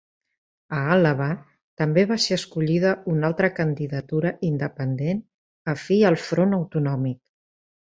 A Àlaba també va ser escollida una altra candidatura independent afí al Front Autonòmic.